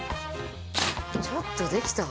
ちょっとできた。